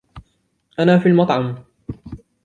أنا في المطعم.